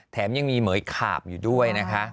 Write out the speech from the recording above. แถมยังมีเหมือยขาบอยู่ด้วยนะคะ